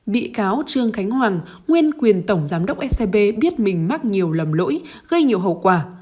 bị cáo trương khánh hoàng nguyên quyền tổng giám đốc scb biết mình mắc nhiều lầm lỗi gây nhiều hậu quả